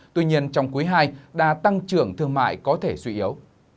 tuy nhiên trong quý ii đa tăng trưởng thương mại có thể suy yếu